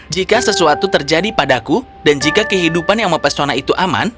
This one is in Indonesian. jika sesuatu terjadi padaku dan jika kehidupan yang mempesona itu aman